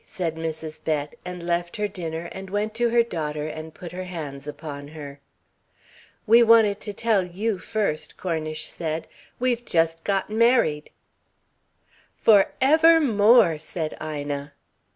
said Mrs. Bett, and left her dinner, and went to her daughter and put her hands upon her. "We wanted to tell you first," Cornish said. "We've just got married." "For ever more!" said Ina.